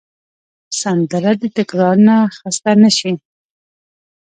سندره د تکرار نه خسته نه شي